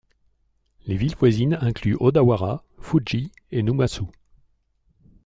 Les villes voisines incluent Odawara, Fuji, et Numazu.